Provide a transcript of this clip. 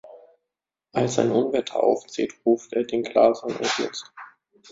Als ein Unwetter aufzieht, ruft er den Glaser-Notdienst.